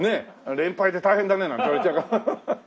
「連敗で大変だね」なんて言われちゃうかも。